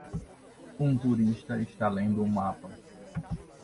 Um turista está lendo um mapa.